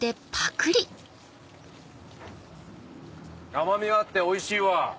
甘みがあっておいしいわ！